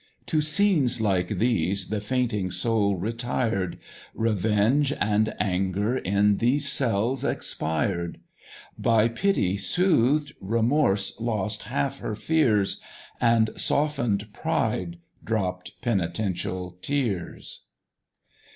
To scenes like these the fainting soul retired; Revenge and anger in these cells expired; By Pity soothed, Remorse lost half her fears, And soften'd Pride dropp'd penitential tears.